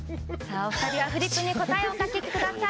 お二人はフリップに答えをお書きください。